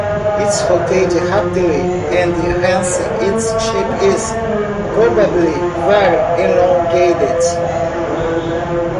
It rotates rapidly and hence its shape is probably very elongated.